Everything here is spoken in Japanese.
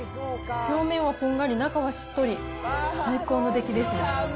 表面はこんがり、中はしっとり、最高の出来ですね。